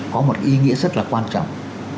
có một ý nghĩa rất là quan trọng